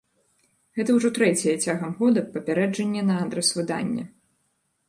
Гэта ўжо трэцяе цягам года папярэджанне на адрас выдання.